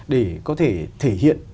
để có thể thể hiện